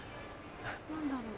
何だろう？